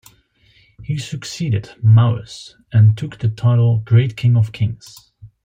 He succeeded Maues and took the title "Great King of Kings".